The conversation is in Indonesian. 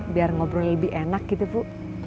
biar ngobrol lebih enak gitu bu